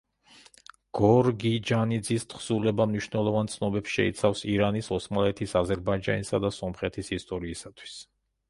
გორგიჯანიძის თხზულება მნიშვნელოვან ცნობებს შეიცავს ირანის, ოსმალეთის, აზერბაიჯანისა და სომხეთის ისტორიისათვის.